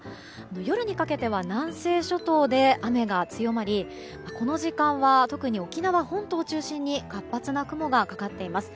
夜にかけて南西諸島で雨が強まりこの時間は特に沖縄本島を中心に活発な雲がかかっています。